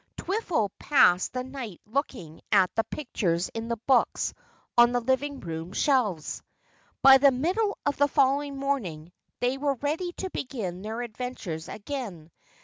Twiffle passed the night looking at the pictures in the books on the living room shelves. By the middle of the following morning they were ready to begin their adventures again.